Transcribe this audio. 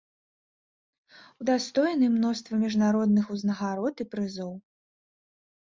Удастоены мноства міжнародных узнагарод і прызоў.